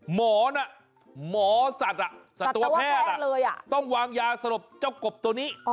หมอน่ะหมอสัตว์สัตวแพทย์ต้องวางยาสลบเจ้ากบตัวนี้